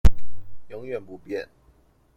永遠不變